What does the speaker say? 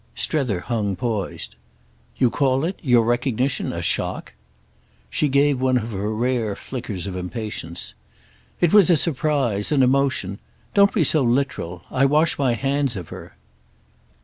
Strether hung poised. "You call it—your recognition—a shock?" She gave one of her rare flickers of impatience. "It was a surprise, an emotion. Don't be so literal. I wash my hands of her."